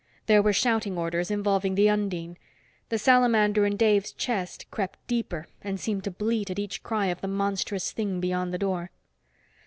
There were shouting orders involving the undine. The salamander in Dave's chest crept deeper and seemed to bleat at each cry of the monstrous thing beyond the door.